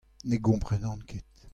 Ne gomprenan ket.